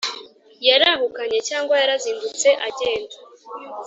yarahukanye cyangwa yarazindutse agenda